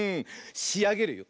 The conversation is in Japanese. しあげるよ！